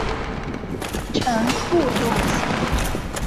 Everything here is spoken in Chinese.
呈覆斗形。